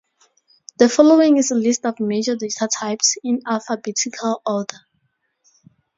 The following is a list of the major data types, in alphabetical order.